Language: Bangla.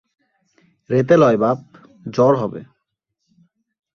রেতে লয় বাপ, জ্বর হবে।